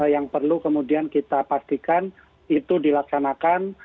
yang perlu kemudian kita pastikan itu dilaksanakan